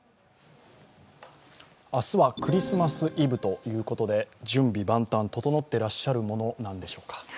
明日はクリスマスイブということで、準備万端、整ってらっしゃるものなんでしょうか。